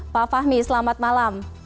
pak fahmi selamat malam